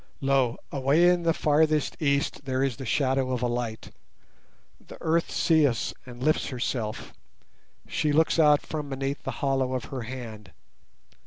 Lo! away in the farthest East there is the shadow of a light; The Earth seeth and lifts herself. She looks out from beneath the hollow of her hand.